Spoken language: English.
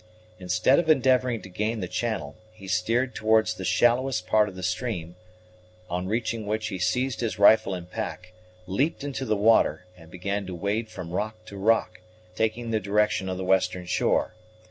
Instead of endeavoring to gain the channel, he steered towards the shallowest part of the stream, on reaching which he seized his rifle and pack, leaped into the water, and began to wade from rock to rock, taking the direction of the western shore.